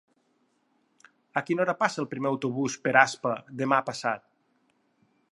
A quina hora passa el primer autobús per Aspa demà passat?